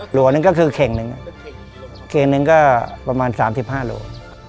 หลัวหนึ่งก็คือแข่งหนึ่งแข่งหนึ่งก็ประมาณสามสิบห้าหลัว